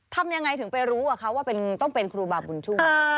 ทำอย่างไรถึงไปรู้เขาว่าต้องเป็นวนครูบากุญชุม